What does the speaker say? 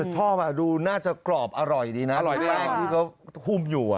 ชอบอ่ะดูน่าจะกรอบอร่อยดีนะอร่อยได้แปลงที่เขาคุ้มอยู่อ่ะ